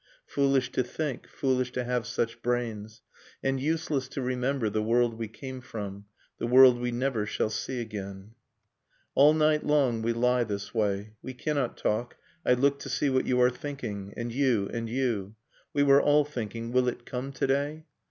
Foolish to think, foolish to have such brains, And useless to remember The world we came from, The world we never shall see again ... All night long we lie this way. We cannot talk, I look to see what you are thinking. And you, and you, — We are all thinking, 'Will it come to day?